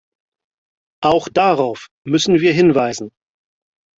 Auch darauf müssen wir hinweisen.